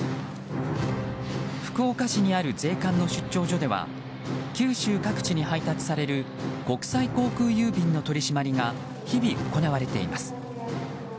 福岡市にある税関の出張所では九州各地に配達される国際航空郵便の取り締まりが日々、行われています。